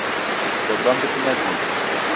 Bot bama be te ma ding.